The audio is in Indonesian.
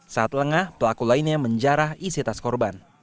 saat lengah pelaku lainnya menjarah isi tas korban